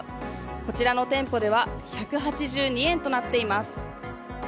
こちらの店舗では１８２円となっています。